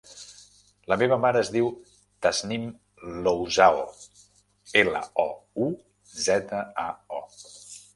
La meva mare es diu Tasnim Louzao: ela, o, u, zeta, a, o.